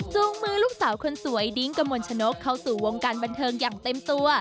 จูงมือลูกสาวคนสวยดิ้งกระมวลชนกเข้าสู่วงการบันเทิงอย่างเต็มตัว